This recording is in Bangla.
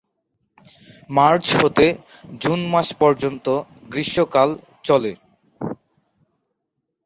মার্চ হতে জুন মাস পর্যন্ত গ্রীষ্মকাল চলে।